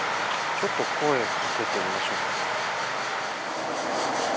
ちょっと声かけてみましょうか。